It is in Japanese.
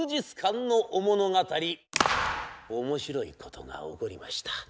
面白いことが起こりました。